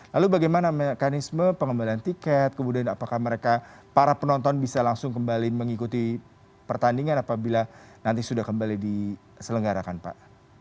lalu bagaimana mekanisme pengembalian tiket kemudian apakah mereka para penonton bisa langsung kembali mengikuti pertandingan apabila nanti sudah kembali diselenggarakan pak